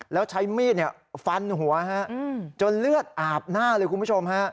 แล้วใช้มีดฟันหัวจนเลือดอาบหน้าเลยคุณผู้ชมฮะ